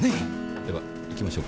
では行きましょうか。